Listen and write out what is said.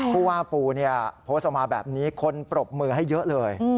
ผู้ว่าปูโพสต์ออกมาแบบนี้คนปรบมือให้เยอะเลย